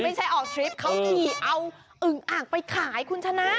ไม่ใช่ออกทริปเขาขี่เอาอึงอ่างไปขายคุณชนะ